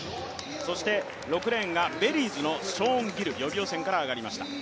そして６レーンがベリーズのショーン・ギル予備予選から上がりました